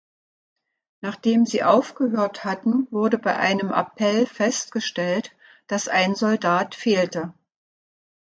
Nachdem sie aufgehört hatten, wurde bei einem Appell festgestellt, dass ein Soldat fehlte.